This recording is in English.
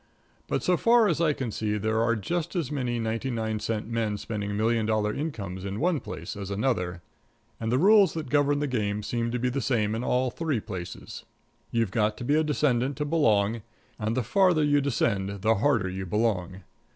But so far as I can see there are just as many ninety nine cent men spending million dollar incomes in one place as another; and the rules that govern the game seem to be the same in all three places you've got to be a descendant to belong, and the farther you descend the harder you belong.